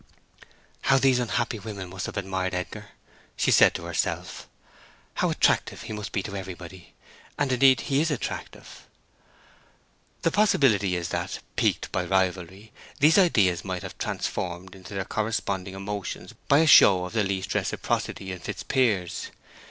"How these unhappy women must have admired Edgar!" she said to herself. "How attractive he must be to everybody; and, indeed, he is attractive." The possibility is that, piqued by rivalry, these ideas might have been transformed into their corresponding emotions by a show of the least reciprocity in Fitzpiers.